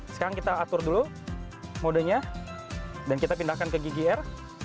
sekarang kita atur dulu modenya dan kita pindahkan ke ggr